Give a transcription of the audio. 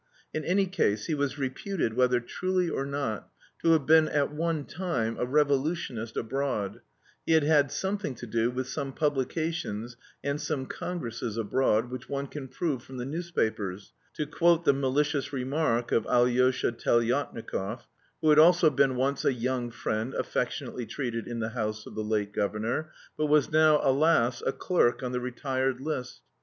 In any case he was reputed, whether truly or not, to have been at one time a revolutionist abroad, he had had something to do with some publications and some congresses abroad, "which one can prove from the newspapers," to quote the malicious remark of Alyosha Telyatnikov, who had also been once a young friend affectionately treated in the house of the late governor, but was now, alas, a clerk on the retired list.